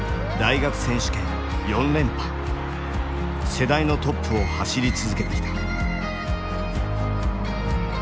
世代のトップを走り続けてきた。